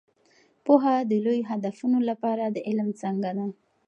پوهه د لوی هدفونو لپاره د علم څانګه ده.